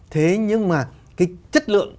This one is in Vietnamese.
thế nhưng mà cái chất lượng